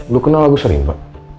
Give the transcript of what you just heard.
lo kenal agus rimba